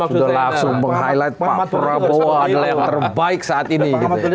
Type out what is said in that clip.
sudah langsung meng highlight pak prabowo adalah yang terbaik saat ini